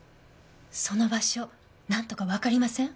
その場所なんとかわかりません？